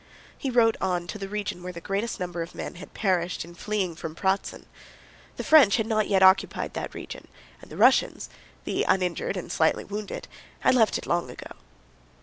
He rode on to the region where the greatest number of men had perished in fleeing from Pratzen. The French had not yet occupied that region, and the Russians—the uninjured and slightly wounded—had left it long ago.